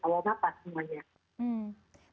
semua penyakit awal nafas